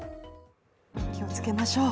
気をつけましょう。